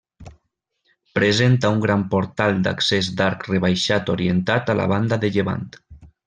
Presenta un gran portal d'accés d'arc rebaixat orientat a la banda de llevant.